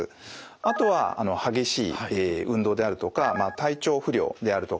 あとは激しい運動であるとか体調不良であるとかですね